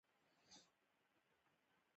زما سندره تر قیامته له جهان سره پاییږی